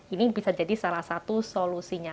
ini bisa jadi salah satu solusinya